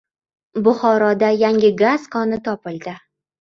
Buxoroda yangi gaz koni topildi